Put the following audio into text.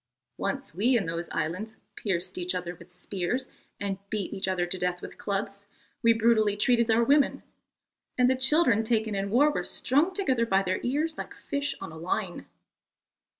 Once we in those islands pierced each other with spears and beat each other to death with clubs; we brutally treated our women, and the children taken in war were strung together by their ears like fish on a line.